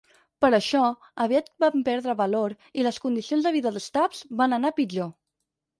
Per això, aviat van perdre valor i les condicions de vida d'Stubs van anar a pitjor.